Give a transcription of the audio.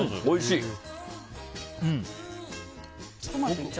おいしい。